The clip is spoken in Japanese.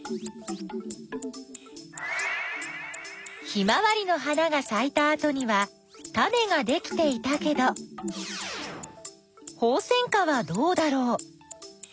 ヒマワリの花がさいたあとにはタネができていたけどホウセンカはどうだろう？